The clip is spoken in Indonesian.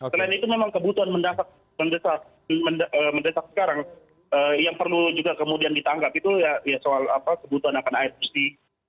selain itu memang kebutuhan mendesak sekarang yang perlu juga kemudian ditangkap itu ya soal kebutuhan akan air bersih